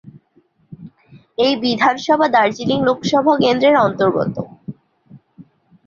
এই বিধানসভা দার্জিলিং লোকসভা কেন্দ্রের অন্তর্গত।